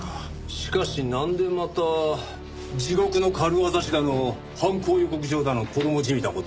しかしなんでまた地獄の軽業師だの犯行予告状だの子供じみた事を。